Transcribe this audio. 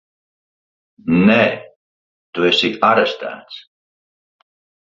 Nē! Tu esi arestēts!